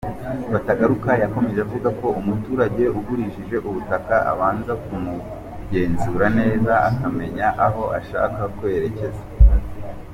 Batagaruka yakomeje avuga ko umuturage ugurishije ubutaka, abanza kumugenzura neza akamenya aho ashaka kwerekeza.